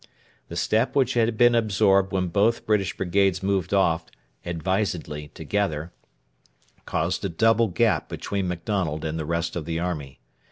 The step which had been absorbed when both British brigades moved off advisedly together, caused a double gap between MacDonald and the rest of the army.